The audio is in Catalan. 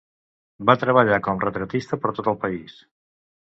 Va treballar com retratista per tot el país.